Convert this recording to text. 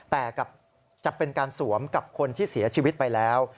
แต่จะเป็นการสวมกับคนที่เสียชีวิตไปแล้ว